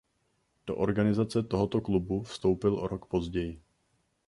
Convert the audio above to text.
Do organizace tohoto klubu vstoupil o rok později.